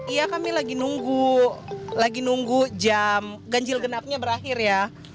iya kami lagi nunggu jam ganjil genapnya berakhir ya